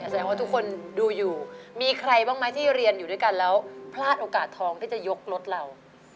แสดงว่าทุกคนดูอยู่มีใครบ้างไหมที่เรียนอยู่ด้วยกันแล้วพลาดโอกาสทองที่จะยกรถเรา